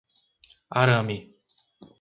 Arame